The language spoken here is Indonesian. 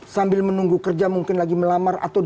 sambil menunggu kerja mungkin lagi melamar